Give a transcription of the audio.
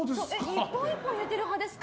１本１本入れてる歯ですか？